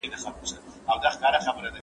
زه پرون کتابونه وړم وم؟!